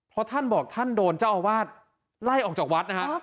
เพราะท่านบอกท่านโดนเจ้าอาวาสไล่ออกจากวัดนะครับ